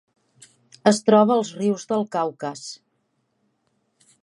Es troba als rius del Caucas.